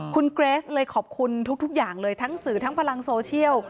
คุณเกรสเลยขอบคุณทุกอย่างเลยทั้งสื่อทั้งพลังโซเชียล